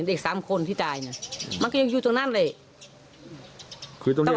เด็ก๓คนที่ตายมักก็ยังอยู่ตรงนั้นเลย